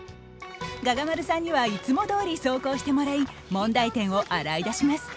臥牙丸さんにはいつもどおり走行してもらい問題点を洗い出します。